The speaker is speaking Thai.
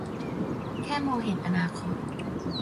แค่มองเห็นอนาคต